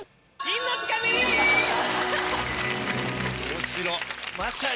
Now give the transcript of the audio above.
面白っ。